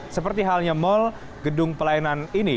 seperti halnya mal gedung pelayanan ini